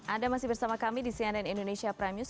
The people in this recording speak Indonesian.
anda masih bersama kami di cnn indonesia pranews